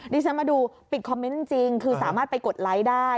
ดิฉันมาดูปิดคอมเมนต์จริงคือสามารถไปกดไลค์ได้